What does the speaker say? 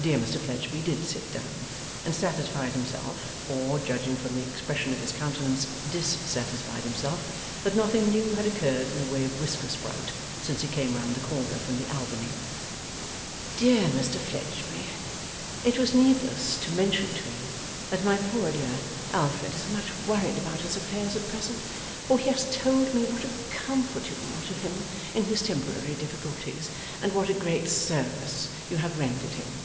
Dear Mr Fledgeby did sit down, and satisfied himself (or, judging from the expression of his countenance, DISsatisfied himself) that nothing new had occurred in the way of whisker sprout since he came round the corner from the Albany. 'Dear Mr Fledgeby, it was needless to mention to you that my poor dear Alfred is much worried about his affairs at present, for he has told me what a comfort you are to him in his temporary difficulties, and what a great service you have rendered him.